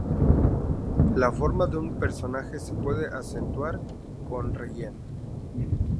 La forma de un personaje se puede acentuar con relleno.